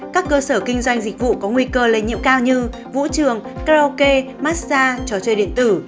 các cơ sở kinh doanh dịch vụ có nguy cơ lây nhiễm cao như vũ trường karaoke massage trò chơi điện tử